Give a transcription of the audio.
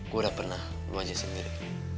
gue udah pernah mau aja sendiri